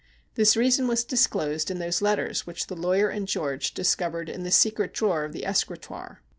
This reason was disclosed in those letters which the lawyer and George discovered in the secret drawer of the escritoire.